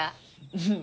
うん。